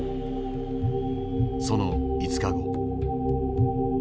その５日後。